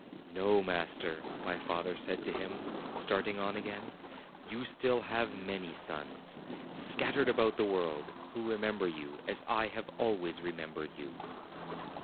"No, master," my father said to him, starting on again; "you still have many sons, scattered about the world, who remember you, as I have always remem bered you."